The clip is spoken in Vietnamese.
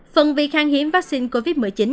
phần vì khang hiếm vaccine covid một mươi chín